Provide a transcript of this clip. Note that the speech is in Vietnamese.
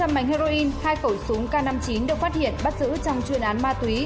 gần năm trăm linh mảnh heroin hai cẩu súng k năm mươi chín được phát hiện bắt giữ trong chuyên án ma túy